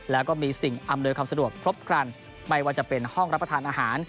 แล้วก็มีสิ่งอำนวยความสะดวกครบครันไม่ว่าจะเป็นห้องรับประทานอาหาร